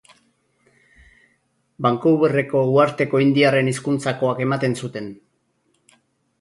Vancouverreko uharteko indiarren hizkuntzakoak ematen zuten.